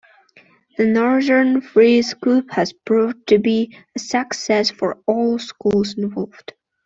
The Northern Freeze coop has proved to be a success for all schools involved.